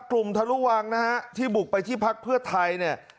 กลุ่มทะลุวางที่บุกไปที่พลักษณ์เพื่อไทย